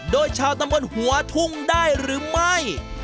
โดยชาวตำบลหัวทุ่งได้หรือไม่